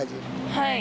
はい。